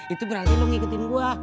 itu berarti lu ngikutin gua